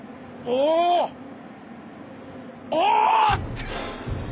おお！